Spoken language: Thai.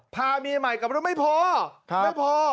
พาเมียใหม่กลับรถไม่พอไม่พอ